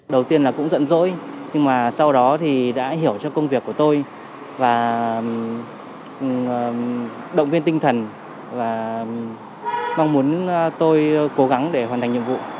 đầu tiên là cũng dẫn dỗi nhưng mà sau đó thì đã hiểu cho công việc của tôi và động viên tinh thần và mong muốn tôi cố gắng để hoàn thành nhiệm vụ